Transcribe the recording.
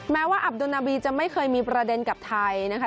แม้ว่าอับดุนาบีจะไม่เคยมีประเด็นกับไทยนะคะ